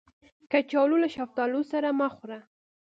کچالو له شفتالو سره مه خوړه